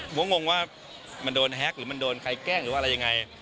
งงว่ามันโดนแฮ็กหรือมันโดนใครแกล้งหรือว่าอะไรยังไง